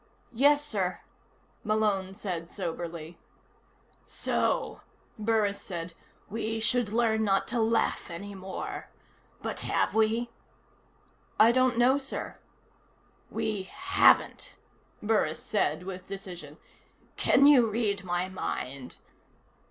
"Yes, sir," Malone said soberly. "So," Burris said, "we should learn not to laugh any more. But have we?" "I don't know, sir." "We haven't," Burris said with decision. "Can you read my mind?"